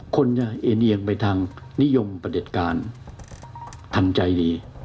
คนจะเอเนียงไปทางนิยมประเด็จการทำใจดี